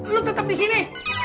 lu tetep disini